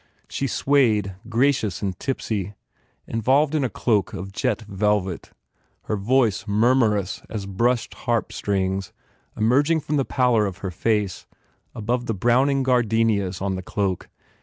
She swayed, gracious and tipsy, involved in a cloak of jet velvet, her voice murmurous as brushed harp strings emerging from the pallor of her face above the browning gardenias on the cloak.